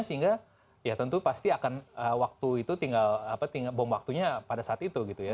sehingga ya tentu pasti akan waktu itu tinggal bom waktunya pada saat itu gitu ya